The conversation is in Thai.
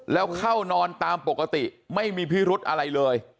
แล้วเข้านอนตามปกติไม่มีพิรุธอะไรเลย